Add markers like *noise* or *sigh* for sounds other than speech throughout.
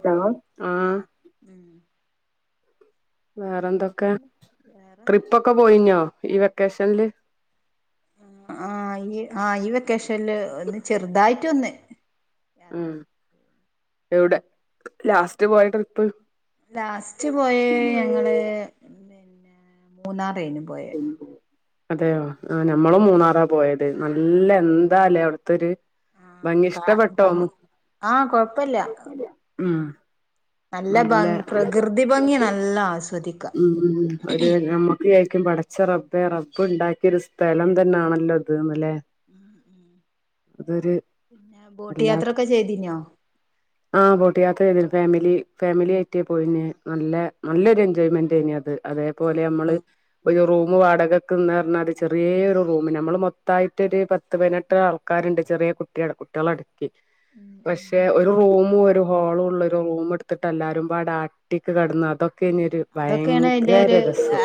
Hello ആഹ് ഉം വേറെന്തൊക്കെ പിന്നെന്താ വേറ ട്രിപ്പൊക്കെ പോയിന്യോ ഈ വെക്കേഷൻല് ആഹ് ഈ ആഹ് ഈ വെക്കേഷൻല് ഒന്ന് ചെറുതായിട്ട് ഒന്ന് ഉം എവിടെ ലാസ്റ്റ് പോയ ട്രിപ്പ് ലാസ്റ്റ് പോയേ ഞങ്ങള് പിന്നെ ന്നേ മൂന്നാറേനും പോയ അതെയോ ആഹ് ഞമ്മളും മൂന്നാറാ പോയത് നല്ല എന്താല്ലേ അവിട്ത്തൊരു ആഹ് ഭംഗി കാ ഭംഗ് ഇഷ്ടപ്പെട്ടോന്നു ആഹ് കൊഴപ്പല്ല കോയ്പ്പല്യ ഉം നല്ല ഭംഗ് പ്രകൃതി ഭംഗി നല്ല ആസ്വദി ഉം ഉം ഒരു നമ്മക്ക് വിയാരിക്കും പടച്ച റബ്ബേ റബ്ബ് ഉണ്ടാക്കിയ ഒരു സ് സ്ഥലം തന്നാണല്ലോ ഇത് ന്ന് ല്ലേ അതൊരു പിന്നേ ബോട്ട് വല്ലാത്ത യാത്ര ഒക്കെ ചെയ്തീനോ ആഹ് ബോട്ട് യാത്ര യ്തിന്ന് ഫാമിലി ഫാമിലി ആയിട്ട് പോയിന് നല്ല നല്ലൊരു എ ജോയ്മെന്റ് തന്നെയാ അത് അതേപോലെ അമ്മള് ആഹ് ഒരു റൂമ് വാടക ക്ക്ന്ന് റഞ്ഞാല് ചെറ്യേ ഒരു റൂമ് നമ്മൾ മൊത്തായിട്ട് ഒരു പത്ത് പതിനെട്ട് ആൾക്കാരുണ്ട് ചെറിയെ കുട്ടികളെ കു ട്ടിയാളടക്കി ഉം ഉം പക്ഷെ ഒരു റൂമു ഒരു ഹോളു ള്ള ഒരു റൂമെട്ത്തിട്ട് എല്ലാരുമ്പാട അട്ടിക്ക് കെടന്ന് അതൊക്കെയ്നിയൊരു ഇതൊക്കെയാണ് അയിന്റെ ഒരു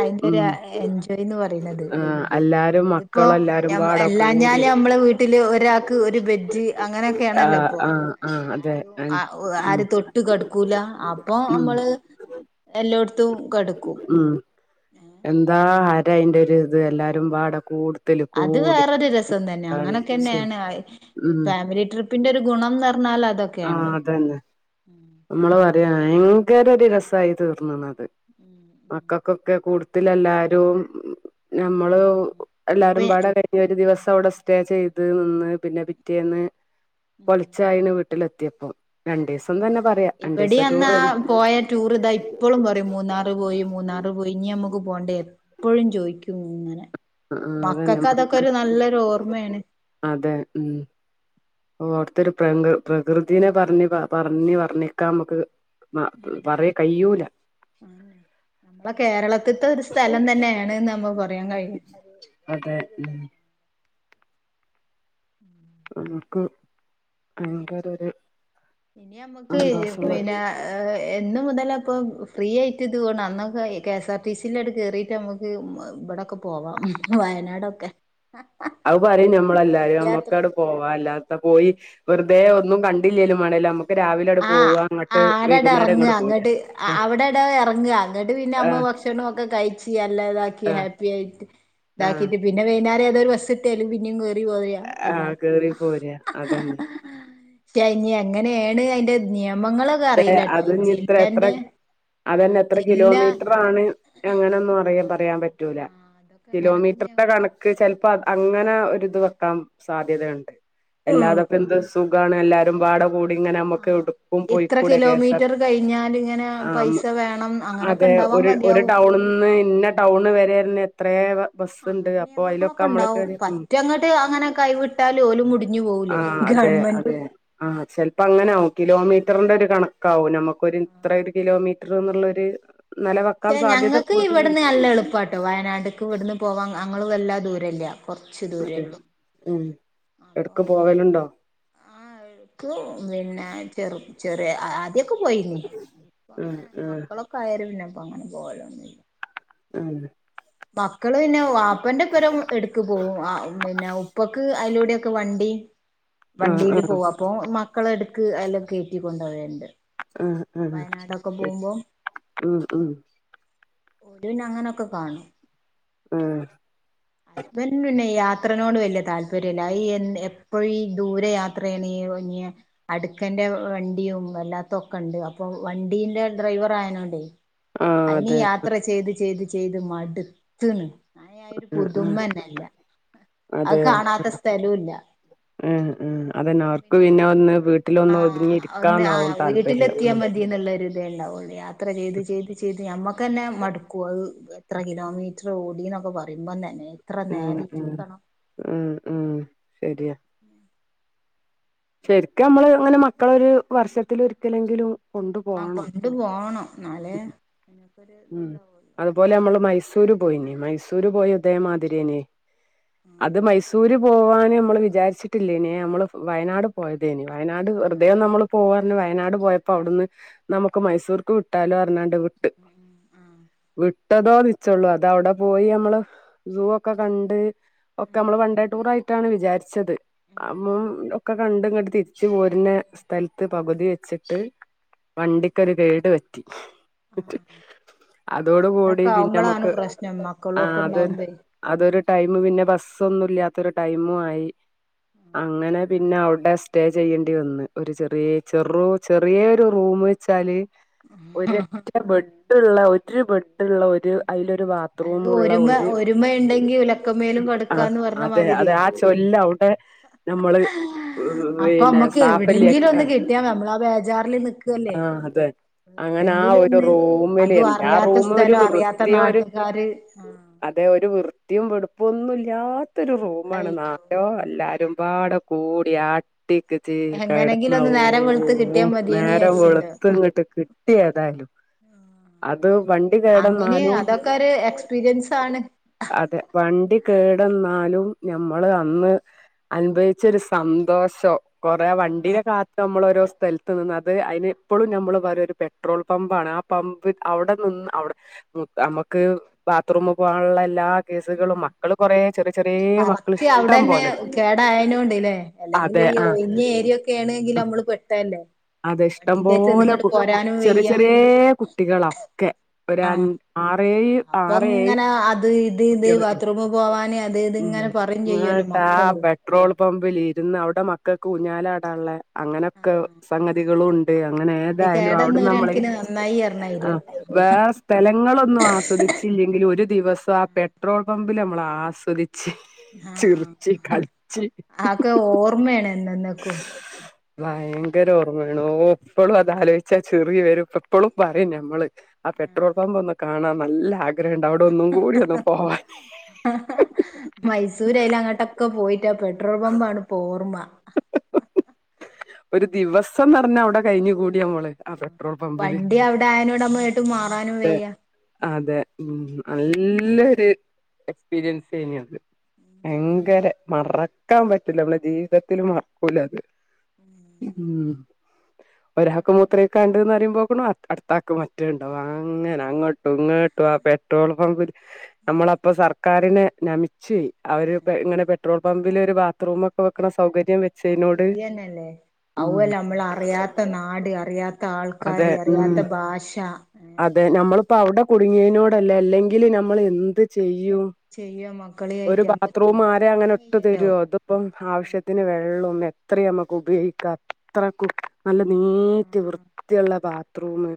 അയിന്റെ ഒരു എൻജോയ്ന്ന് പറയുന്നത് ആഹ് അല്ലാ ത്പ്പോ ഞമ്മ അല്ലാഞ്ഞാല് നമ്മളെ വീട്ടില് ഒരാക്ക് ഒരു ബെഡ് അങ്ങനൊക്കെയാണല്ലോ ആഹ് ഇപ്പോ ആഹ് ആഹ് അതെ ആരും ആ ഒ ഉം ആരും തൊട്ട് കെടക്കൂല്ലാ അപ്പൊ ഉം അമ്മള് എല്ലോട്ത്തും കെട്ക്കും ഉം എന്താ ഹരം അയിന്റെ ഒരു ഇത് എല്ലാരുമ്പാടെ കൂട് അത് വേറൊരു രസം തന്നെയാ കളിച്ച് അങ്ങനൊക്കെന്നെയാണ് ആയ് ഉം ഫാമിലി ട്രി പ്പിന്റൊരു ഗുണംന്നറഞ്ഞാൽ അതൊ ആഹ് അതന്നെ അമ്മള് പറയാന് ഭയങ്കര ഒരു രസായി തീർന്ന്ണത് മക്കക്കൊക്കെ കൂട്തിലെല്ലാരും എല്ലാരും ഞമ്മള് ഇനിപ്പ എല്ലാരും പാട *unintelligible* ഒരു ദിവസം അവിടെ സ്റ്റേ ചെയ്ത് നിന്ന് പിന്നെ പിറ്റേന്ന് പൊലെച്ചായിന് വീട്ടിലെത്തിയപ്പം രണ്ടീസം തന്നെ പറയാ ഇബടി രണ്ടീസം ടൂർ അന്നാ ആഹ് പോയ ടൂർ ഇതായി പ്പളും പറയും മൂന്നാറ് പോയി മൂന്നാറ് പോയി ഇനി ഞമ്മക്ക് പോണ്ടേ എപ്പഴും ചോയ്‌ക്യും ഇങ്ങനെ അതന്നെ മക്ക് മക്കക്കതൊക്കെരു നല്ലൊരു ഓർമ്മേണ്. അതെ ഉം. അവട്ത്തൊരു പ്രങ്ക് പ്രകൃതിനെ പർഞ് പ പർഞ് വർണിക്കാമ്മക്ക്. മ പറയ് കയ്യൂല. പ്പ കേരളത്ത്ത്തെ ഒരു സ്ഥലം തന്നെണ്ന്ന് നമ്മ പറയാൻ കഴിയും. അതെ ഉം. നമുക്ക് ഭയങ്കര ഒര്. ഇനിയമ്മക്ക് പിന്നാ. *inaudible* എന്ന് മുതലപ്പൊ ഫ്രീയായ്റ്റ്ത് പോണ് അന്നൊക്കെയ് കെ എസ് ആർ ടി സിയില് ങ്ങട് കേറിട്ടമ്മക്ക് മ ബടൊക്കെ പോവാം വയനാടൊക്കെ. അയ് പറിം ഞമ്മളെല്ലാരും യാത്ര ഞമ്മക്കടു. പോവാ അല്ലാത്ത പോയി വെറുതെ ഒന്നും കണ്ടില്ലേലും വേണ്ടില അമ ആഹ് ആടടെർങ്ങ ഇങ്ങട് പോരാ ങ്ങട്ട് അ ആഹ് അവ്ടെടോ എർങ്ങ ന്നട്ട് പിന്നെ നമ്മ ആഹ് ഭക്ഷ ട്ടണൊക്കെ കയ്ച്ച് അല്ലതാക്കി ആഹ് ഹാപ്പി ആയിട്ട് ആഹ് താക്കിട്ട് പിന്നെ വൈന്നാരേതോഒരു ബസ്സിട്ട്യാല് പിന്നിം കേറി പോര ആഹ് അല്ലാത് കേറി പോരാ അതന്നെ ട്ടൈഞ് അങ്ങനേണ് അയ്ന്റെ നിയമങ്ങള് ഏ അത്ഞ് ഇത്ര എത്ര ആ അതന്നെത്ര ജില്ല കിലോമീറ്റ്ർ. പ്പാണ് അങ്ങനൊന്നും അറിയാ ആ പറയാപറ്റൂല അതൊക്കെ അങ്ങനൊക്കെ നിയമ കിലോമീറ്റർടെ കണ ക്ക് ചെൽപ്പ അങ്ങന ഒരിത് വെക്കാം സാധ്യതയുണ്ട് അല്ലാതൊക്കെന്ത് സുഖാണ് എല്ലാരുംപാട കൂടിങ്ങനെ അമ്മക്ക് ഒടുക്കും പോയ്. കിലോമീറ്ററ് കയിഞ്ഞാൽ ങ്ങനെ പൈസ വേണം അങ്ങനൊക്കെണ്ടാവാൻ മത്യാവും. ഒള്ന്ന് ഇന്നെ ടൗണ് വരെര്ന്. ത്രേ വ ബസ്. അങ്ങനെ നിയമങ്ങളൊക്കണ്ടാവും പറ്റങ്ങട്ട് അങ്ങനെ കൈ വിട്ടാലു ഓലും മുടി ഞ്ഞ് പോവൂലേ ആഹ് അതെ ഗവൺമെന്റും. അതെ ആഹ് ചെൽപ്പങ്ങനാവും കിലോമീറ്റർന്റെരു കണക്കാവും നമുക്കൊരു ഇത്രട് കിലോമീറ്റ റ്ന്നുള്ളൊര് നെല വെക്കാൻ സാധ്യത കൂടുതലു പ്പാട്ടൊ വയനാട്ക്ക് ഇവ്ട്ന്ന് പോവാൻ അങ്ങള് വല്ലാ ദൂരല്ല കൊർച്ച് അതെ ദൂരേള്ളു. ഉം എട്ക്ക് പോവല്ണ്ടോ. ആ ക്ക് പിന്ന ചെറു ചെറ്യേ ആദ്യൊക്കെ പോയിനി ആഹ് ഇപ്പങ്ങനെ മക്കളൊ കയരുന്ന പ്പങ്ങനെ പോവലൊന്നുല്ല ഉം. മക്കള് പിന്നെ വാപ്പന്റൊപ്പരം. എട്ക്ക് പോവും ആ പിന്നെ ഉപ്പക്ക് അയ്ലൂട്യൊക്കെ വണ്ടി ആഹ് വണ്ടീല് ആഹ് പോവു പ്പൊ മക്കളെട്ക്ക് അയിലൊക്കേറ്റി കൊണ്ടോവേണ്ട്. ഉം ഉം ശെ ഉം ഉം. ഓര് പിന്നങ്ങനൊക്കെ കാണും ആഹ് ഹസ്ബന്റിന് പിന്നെ യാ ത്രനോട് വല്ല്യ താല്പര്യല്ല അയീ എൻ എപ്പഴീ ദൂരെ യാത്രേണീ വു ഞ്യ. അട്ക്കന്റെ വ വണ്ടിയും വല്ലാത്തൊക്കണ്ട് അപ്പൊ വണ്ടീന്റെ ഡ്രൈവറായനോണ്ടേ. ആഹ് അയ്നി അതെ യാത്ര ചെയ്ത് ചെയ്ത് ചെയ്ത് മട് ത്ത്ണ് അയ് അയിരു ആഹ് ആഹ് പുതുമ്മന്നല്ല അഹ് കാണാത്ത സ്ഥലൂല്ല. ഉം ഉം അതന്നെ അവർക്ക് പിന്നെ ഒന്ന് വീട്ടിലൊന്ന് ആഹ് ഒതുങ്ങി ഇര്ക്കാന്നാവും താല്പര്യം ഉം. ഇ ന്ന്ള്ളൊരു. ദേ ണ്ടാവൊള്ളു യാത്ര ചെയ്ത് ചെയ്ത് ചെയ്ത് ഞമ്മക്കന്നെ മടുക്കു അഹ് എത്ര കിലോമീ റ്റ്രോടിന്നൊക്കെ പറിമ്പം തന്നെ എത്ര ഉം ഉം നേരിര്ക്കണം. ഉം ഉം ശരിയാ. ശെരിക്ക് നമ്മള് ങ്ങനെ മക്കളൊരു വർഷത്തില് ഒര്ക്കലെങ്കിലും. മ കൊണ്ടു പോവണം ന്നാലെ നിനക്കൊരു ത്ണ്ടാവൂല്ലോ. പോലെമ്മള് മൈസൂര് പോയീനി മൈസൂര് പോയ തേമാതിരിയേനി അത് ആഹ് മൈസൂര്. പോവാന് മ്മള് വിചാരിച്ചിട്ടില്ലേനെ അമ്മള് വയനാട് പോയതേന് വയനാട് വെർതേ ആഹ് നമ്മള് പോവാ ഇന്ന് വയനാട് പോയപ്പോ അവിടുന്ന് നമുക്ക് മൈസൂർക്ക് വിട്ടാലോ പർഞണ്ട് വിട്ട് ആഹ് വിട്ടതോ വിച്ചൊള്ളൂ അതവിടെ പോയി അമ്മള് സൂ ഒക്കെ കണ്ട് ഒക്കെ ഉം അമ്മള് വൺ ഡേ ടൂറായിട്ടാണ് വിചാരിച്ചത് ഉം ഉം അമ്മം ഒക്കെ കണ്ട് തിരിച്ച് പോരുന്ന സ്ഥലത്ത് പകുതി വെച്ചിട്ട് വണ്ടിക്കൊരു കേട് പറ്റി ആഹ് അതോടു കൂടി അങ്ങനൊക്കെ പിന്നെ ആവുമ്പളാണ് മ്മക്ക് പ്രശ്നം മക്കളും ആഹ് ഒക്കെ അതൊരു ഉണ്ടാവുമ്പേ അതൊരു ഉം ടൈമ് പിന്നെ ബസ്സൊന്നും ഇല്ലാത്തൊരു ടൈമു ആയി അങ്ങനെ പിന്നെ അവ്ടെ സ്റ്റേ ചെയ്യേണ്ടി വന്ന് ഒരു ചെറിയ ചെറു ചെറിയൊരു റൂം വെച്ചാല് ഒരൊറ്റ ബെഡ്ഡ്ള്ള ഒര് ബ തില്ള്ള ഒരു ഐലൊരു അത് ബാത്റൂമുള്ള ഒരുമ ഒരു ഒരുമ ഉണ്ടെങ്കി ഉലക്കമേലും ആഹ് കടുക്കാന്ന് പറഞ്ഞ അത് അത് മാതിരിയെ ആ ചൊല്ലവിടെ നമ്മള് അപ്പൊ പിന്നെ അമ്മക്ക് എവിടെങ്കിലും സാഫല്ല്യാക്കി ഒന്ന് ആഹ് കിട്ടിയാ നമ്മളാ ബേജാറില് നിക്കല്ലേ ആഹ് അതെ അങ്ങനെ ആ എവിടെങ്കിലും ഒരു റൂമില് ആ റൂം ഒരു ന്തേലും അറിയാത്ത വൃത്തിയോ ഒരു നാട്ട്കാര് അതെ ഒരു വൃത്തിയും വെടുപ്പു ഒന്നും ഇല്ല്യാത്തൊരു റൂമാണ് നാ അയ്യോ ട്യോ എല്ലാരുംപാടെ കൂടി അട്ടിക്ക് തീല് എങ്ങനെങ്കിലും കെടന്ന് ഒന്ന് നേരം ഓഹ് വെളുത്ത് കിട്ടിയാ ഓഹ് മതിയേനി നേരം വെളുത്ത് വിചാരിച്ചിണ്ടാവും ഇങ്ങട്ട് കിട്ടി ഏതായാലും അത് വൺ അങ്ങനേ അതൊക്കെ ഒര് എക്സ്പീരിയൻസ് ആണ്. അതെ വണ്ടി കേടന്നാലും ഞമ്മള് അന്ന് അൻഭവ്ച്ചൊരു സന്തോഷം കൊറേ വണ്ടിനെ കാത്ത് മ്മളോരോ സ്ഥൽ ത്ത് നിന്ന് അത് അയിനെ ഇപ്പൊഴും നമ്മള് പറയും ഒര് പെട്രോൾ പമ്പാണ് ആ പമ്പ് അവ്ടെ നിന്ന് അവ്ടെ മം അമക്ക് ബാത്റൂമ് പോവാനുള്ളെ എല്ലാ കേസുകളും മക്കള് കൊറേ ചെറിയ ചെറിയേ കറക്റ്റ് അവിടന്നെ കേടായ്നോണ്ട്ലേ അതെ അല്ലെങ്കീ ആ ഒയ്ഞ്ഞ ഏരിയൊ ക്കെയാണെങ്കില് അമ്മള് പെട്ടേല്ലേ അതെ ഇഷ്ടം പോലെ കു ചെറിയ വയ്യ ചെറിയേ കുട്ടികളാ ക്കെ ഒരൻ ആഹ ആറേഴ് അപ്പൊ ഇങ്ങനെ അത് ഇത് ഇത് കുട്ടികള് ബാത്റൂമ് പോവാന് അത് ഇത്ങ്ങനെ പറയും ചെയ്യല്ലോ മക്കള് ട്രോള് പമ്പിലിരുന്ന് അവിടെ മക്കക്ക് ഉഞ്ഞാലാടാള്ളെ അങ്ങനൊക്കെ ഒഹ് സംഗതികളും ഉണ്ട് അങ്ങനെ വണ്ടി എതായാലും കേടന്ന അവിടുന്ന ഒരു മ്മള് കണക്കിന് നന്നായി എറണായിരിയ ആഹ് അപ്പൊ വേറെ സ്ഥലങ്ങളൊന്നും ആസ്വദിച്ചില്ലെങ്കിലും ഒരു ദിവസം ആ പെട്രോൾ പമ്പില് അമ്മള് ആസ്വദിച്ച് ചിറ്ച്ചി കളിച്ച് അത്‌ ഓർമ്മയാണ് എന്നെന്നേക്കും ഭയ്ങ്കര ഓർമ്മയാണ് ഓഹ് ഇപ്പളും അതാലോയ് ച്ചാ ചിറി വരും ഇപ്പപ്പെളും പറയും ഞമ്മള് ആ പെട്രോൾ പമ്പ് ഒന്നു കാണാൻ നല്ല ആ ക്രേണ്ട് അവ്ടെ ഒന്നും കൂടിയൊന്നു പോവാൻ മൈസൂരൈലങ്ങോട്ടൊക്കെ പോയിട്ട് പെട്രോൾ പമ്പാണിപ്പൊ ഓർമ്മ ഒരു ദിവസം പറഞ്ഞാ അവിടെ കഴിഞ്ഞ് കൂടി അമ്മള് അതെ വണ്ടി അവ്ടെ ആയ്നോട് അമ്മളെ എട്ട് മാറാനും വയ്യ അതെ ഉം നല്ലൊരു എക്സ്പീരിയൻസ് ആയ്നു അത് ഭയ്ങ്കര മറക്കാപറ്റില്ല നമ്മളെ ജീവിതത് ത്തില് മറക്കൂലാത് ഉം ഒരാക്ക് മൂത്രൊയ്ക്കാൻ അതെന്നുറിയുമ്പോക്കണു അടുത്താക്ക് മറ്റേണ്ടാവും. അങ്ങനെ അങ്ങോട്ടും ഇങ്ങോട്ടും ആ പെട്രോൾ പമ്പ് ല് നമ്മളപ്പൊ സർക്കാരിനെ നമിച്ച്. അവര് പെ ഇങ്ങനെ പെട്രോൾ പമ്പില് ഒരു ബാത്ത്റൂമൊക്കെ വെക്കണ സ് സൗകര്യം വെ അയ് ശെരിയന്നെല്ലേ ഔവ്വല്ല നമ്മളറിയാത്ത നാട് അറിയാത് *unintelligible* അതെ ആൾക്കാരെ ഉം അറിയാത്ത ഭാഷ അതെ ഏഹ് നമ്മളിപ്പോ അവിടെ കുടുങ്ങിനോടല്ലേ അല്ലെങ്കില് നമ്മൾ എന്ത് ചെയ്യും മക്കളീം ഒരു ബാത്റൂം ആരെ അങ്ങനെ ഇട്ട് തരോ ഇതിപ്പം ആവശ്യത്തിന് വെള്ളം ത്രയീം നമ്മുക്ക് ഉപയോഗിക്കാ അത്രക്കും നല്ല നീറ്റ് വൃ ള്ള ബാത്റൂമ്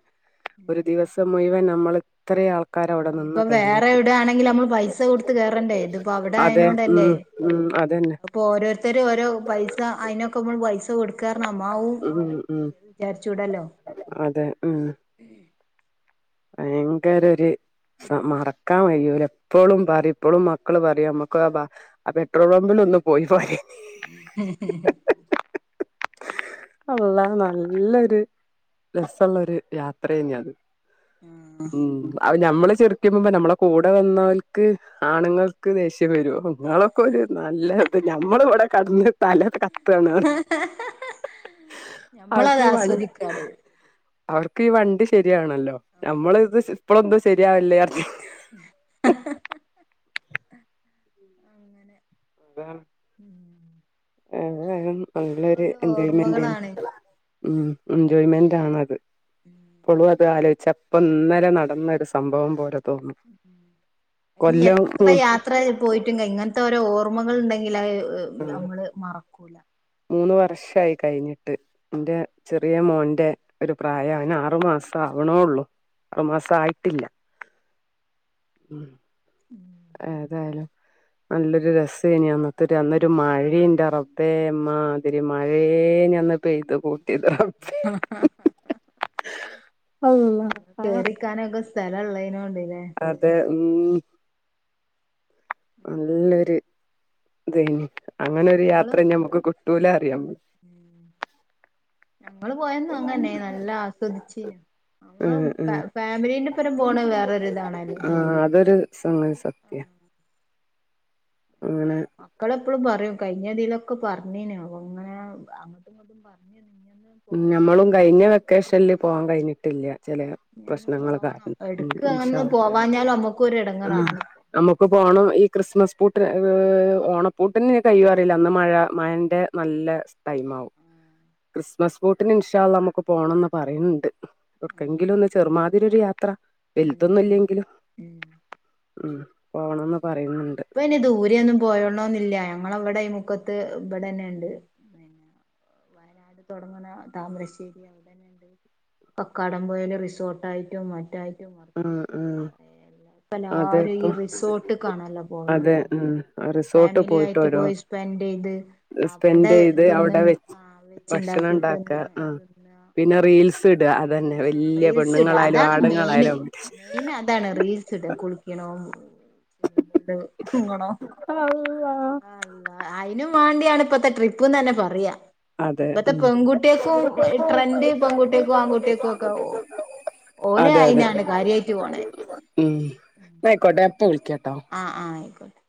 ഒരു ഇനിയിപ്പോ ദിവസം മുഴുവൻ നമ്മൾ ഇത്രീം ആൾക്കാര അവിടെ നിന്ന് വേറെ കഴിഞ്ഞിട്ട് എവിടെയാണെങ്കിൽ നമ്മൾ പൈസ കൊടുത്ത് കേറണ്ടേ ഇതിപ്പോ അവിടെ അതെ ഉം ഉം അതന്നെ ഇപ്പോ ഓരോരുത്തരോരോ പൈസ അയിനൊക്കെ മ്മള് പൈസ കൊടു *unintelligible* ഉം ഉം വിചാരിച്ചൂടല്ലോ അതെ ഉം ഭയങ്കരര് *unintelligible* മറക്കാൻ കയ്യൂല ഇപ്പളും പറീം ഇപ്പളും മക്കള് പറീം നമ്മക്ക് ആ പെട്രോൾ പമ്പിലൊന്ന് പോയി പോരയ്നി അള്ള നല്ലൊരു രസമുള്ള ഒരു യാത്രയനി അത് ഉം അത് ഞമ്മള് ചിരിക്കുംമുമ്പ് നമ്മളെ കൂടെ വന്നോല്ക്ക് ആണുങ്ങൾക്ക് ദേശ്യ വരും നിങ്ങളൊക്കെ ഒരു നല്ലത് ഞമ്മള് ഇവ്ടെ കടന്ന് തലക്കെ കത്താണ് അവർക്ക് ഞമ്മളത് ഈ വൺ ആസ്വദിക്കാണ് അവർക്ക് ഈ വണ്ടി ശരിയാവണല്ലോ നമ്മൾ ഇത് ഇപ്പളൊന്നും ശരിയാവല്ലേർഞ് അങ്ങനെ *unintelligible* നല്ലൊരു ഓരോ എൻജോയമെന്റയ്നു ഓർമ്മകളാണ് ഉം എൻജോയ്മെന്റാണത് ഇപ്പളു അത് ആലോചിച്ച പ്പൊ ഇന്നലെ നടന്നൊരു സംഭവം പോലെ തോന്നും ഇനി കൊല്ലം എത്രയാ അത്ര പോയിട്ട്ങ്കെ ഇങ്ങനത്തെ ഓരോ ഓർമ്മകൾ ഇണ്ടെങ്കിൽ ഉം നമ്മള് മറക്കൂല മൂന്ന് വർഷായി കഴിഞ്ഞിട്ട് ന്റെ ചെറ്യേ മോന്റെ ഒരു പ്രായ അവന് ആറു മാസ ആവണോള്ളൂ അറ മാസ ആയിട്ടില്ല ഉം ഉം ഏതായാലും നല്ലൊരു രസയ്നി അന്നത്ത അന്നൊരു മഴി ന്റെ റബ്ബേ മ്മാതിരി മഴേനി പെയ്ത പോ *unintelligible* അല്ലാഹ് *inaudible* കേറി ക്കാനൊക്കെ സ്ഥലം ഉള്ളയ്നോണ്ട്ല്ലേ അതെ ഉം നല്ലൊരു ഇതയ്നി അങ്ങനെരു ഞങ്ങള് യാത്ര ന്നിമ്മക്ക് കിട്ടൂല അറിയാ ഞങ്ങള് പോയന്നും അങ്ങന്നെയ്നു നല്ല ആസ്വദിച്ചയന്‌ ഉം ഉം ഫാമിലിന്റെപ്പരം പോണത് വേറൊരിതാണല്ലോ ആഹ് അതൊരു അത് സംഗതി സത്യ അങ്ങനെ മക്കളെപ്പളും പറീം കഴിഞ്ഞതിലൊക്കെ പറഞ്ഞീനു അപ്പ അങ്ങനെ *inaudible* പറഞ്ഞു പിന്നെന്നു ഉം ഞമ്മളും കഴിഞ്ഞ വെക്കേഷനിൽ പോവാം കഴിഞ്ഞിട്ടില്ല ചെലേ പ്രശ്നങ്ങൾ കാരണം ഉം എടുക്കും ഇൻഷാ അങ്ങനന്നും പോവാഞ്ഞാലും അമ്മക്കു ഒരു എടങ്ങറാണ് നമ്മക്ക് പോണം ഈ ക്രിസ്മസ് പൂട്ടിനു ഓണപ്പൂട്ടിനു കയ്യോ അറീല്ല അന്ന് മഴ മഴന്റെ നല്ല സ്ഥൈമാവും ബസ് ബോട്ടിന് ഇൻഷാ അല്ലാഹ് നമുക്ക് പോകണംന്ന് പറണിണ്ട്. എടുക്കങ്കിലും ഒന്ന് ചെറുമാതിരി ഒരു യാത്ര. ഉം ഉം വൽതൊന്നുല്ലെങ്കിലും ഉം ഉം പോണംന്ന് പറയു ഇപ്പനി ദൂരെന്നും പോയോണോന്നില്ല ഞങ്ങളവിടെ ഈ മുക്കത്ത് ഇവിടെന്നെണ്ട്. അ തുടങ്ങുന്ന താമരശ്ശേരി അവിടെ.. കക്കാടം പോയെല് റിസോർട്ടായിറ്റും മറ്റായി ഉം ഉം അതെ പ്പല്ലാരും ഈ ഇപ്പം റിസോർട്ടക്കാണല്ലോ പോവല് അതെ ഉം റിസോർട്ട് പോയിട്ട് ഫേമിലിആയിറ്റ് ഓരോ പോയി സ്പെൻഡ്യ്ത് അവിടെ സ്പെൻഡ് ചെയ്ത് അവിടെ തിന്ന്ണ്ട് *unintelligible* ച്ച്ണ്ടാക്കി തിന്ന് ഉം തിന്ന പിന്നെ റീൽസ് ഇട അതന്നെ റീൽസ് ഇട വല്ല്യ റീൽസ് ഇട പെണ്ണുങ്ങളായാലും അതാണ് മെയിന് ആണുങ്ങളായാലും. മെയിൻ അതാണ് റീൽസ് ഇട കുളിക്ക്ണോം ഫുഡും ഇങ്ങളോ? അല്ലാഹ് ആ അള്ളാ അയിനും മാണ്ടിആണ് ഇപ്പത്തെ ട്രിപ്പ്ന്നന്നെ പറയാ. അതെ ഇപ്പത്തെ ഉം പെൺകുട്ട്യേക്കും ട്രെന്റ് പെൺകുട്ട്യേക്കും ആൺകുട്ട്യേക്കും ഒക്കെ ഓല് അതെ അതെ അയിനാണ് കാര്യായിറ്റ്പോണത്. ഉം ന്ന ആയ്ക്കോട്ടെ പ്പൊ വിൾക്യാട്ടോ. ആ ആ ആയിക്കോട്ടെ